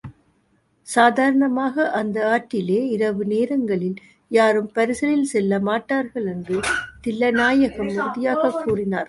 சாதாரணமாக அந்த ஆற்றிலே இரவு நேரங்களில் யாரும் பரிசலில் செல்லமாட்டார்கள் என்று தில்லைநாயகம் உறுதியாகக் கூறினார்.